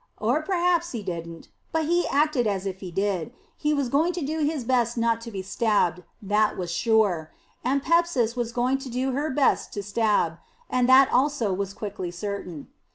Or perhaps he didn't. But he acted as if he did. He was going to do his best not to be stabbed; that was sure. And Pepsis was going to do her best to stab; that also was quickly certain.